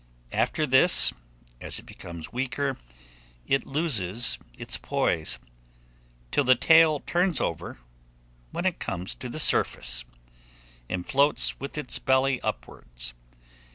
After this, as it becomes weaker, it loses its poise, till the tail turns over, when it comes to the surface, and floats with its belly upwards.